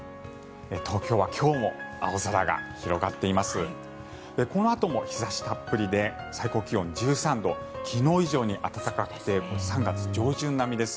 東京は今日も青空が広がっています。